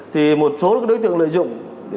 thì một số đối tượng lợi dụng